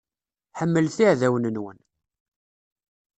Ḥemmlet iɛdawen-nwen.